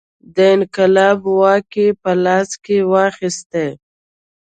د انقلاب واګې په لاس کې واخیستې.